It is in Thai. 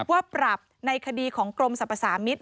ว่าปรับในคดีของกรมสรรพสามิตร